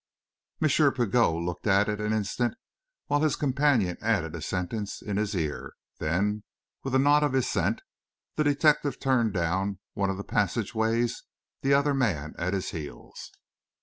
M. Pigot looked at it an instant, while his companion added a sentence in his ear; then, with a nod of assent, the detective turned down one of the passage ways, the other man at his heels.